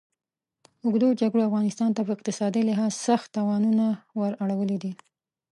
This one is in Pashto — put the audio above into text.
اوږدو جګړو افغانستان ته په اقتصادي لحاظ سخت تاوانونه ور اړولي دي.